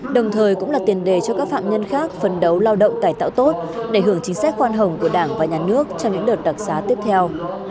đồng thời cũng là tiền đề cho các phạm nhân khác phấn đấu lao động cải tạo tốt để hưởng chính sách khoan hồng của đảng và nhà nước trong những đợt đặc xá tiếp theo